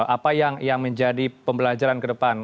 apa yang menjadi pembelajaran ke depan